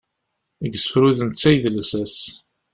Deg usefru d netta ay d lsas.